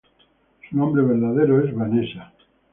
Su nombre verdadero es Vanessa.